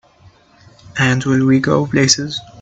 And will we go places!